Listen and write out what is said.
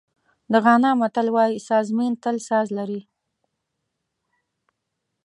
د غانا متل وایي سازمېن تل ساز لري.